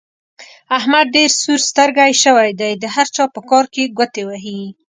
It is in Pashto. احمد ډېر سور سترګی شوی دی؛ د هر چا په کار کې ګوتې وهي.